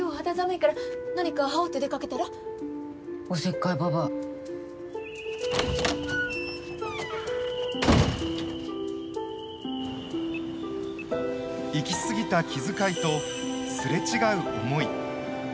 いきすぎた気遣いとすれ違う思い。